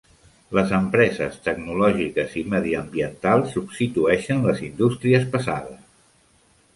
Les empreses tecnològiques i mediambientals substitueixen les indústries pesades.